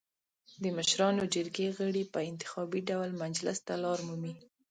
د مشرانو جرګې غړي په انتخابي ډول مجلس ته لار مومي.